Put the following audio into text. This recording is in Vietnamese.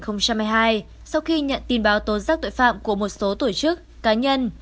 năm hai nghìn hai mươi hai sau khi nhận tin báo tố giác tội phạm của một số tổ chức cá nhân